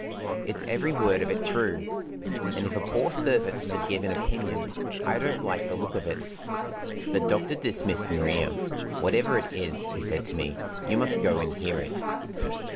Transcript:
It's every word of it true! And, if a poor servant may give an opinion, I don't like the look of it." The doctor dismissed Maria. "Whatever it is," he said to me, "you must go and hear it."